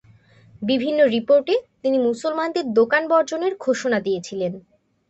বিভিন্ন রিপোর্টে তিনি মুসলমানদের দোকান বর্জনের ঘোষণাদিয়েছিলেন।